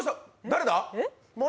誰だ？